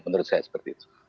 menurut saya seperti itu